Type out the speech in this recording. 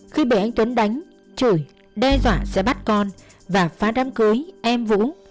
khi bị anh tuấn đánh chửi đe dọa sẽ bắt con và phá đám cưới em vũ